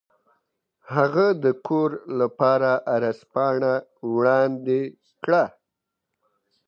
هغه د کور لپاره عرض پاڼه وړاندې کړه.